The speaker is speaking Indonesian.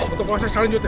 untuk proses selanjutnya